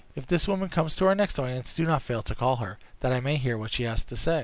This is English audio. If this woman comes to our next audience, do not fail to call her, that I may hear what she has to say."